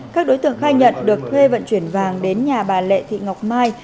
các đối tượng khai nhận được thuê vận chuyển vàng đến nhà bà lệ thị ngọc mai